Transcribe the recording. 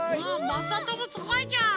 まさともすごいじゃん！